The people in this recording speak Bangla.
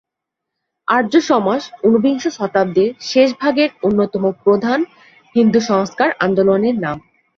আর্য সমাজ ঊনবিংশ শতাব্দীর শেষভাগের অন্যতম প্রধান হিন্দু সংস্কার আন্দোলনের নাম।